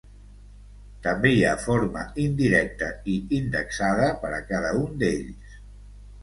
També hi ha forma indirecta i indexada per a cada un d'ells.